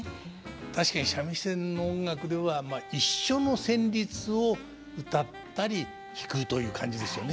確かに三味線の音楽では一緒の旋律をうたったり弾くという感じですよね。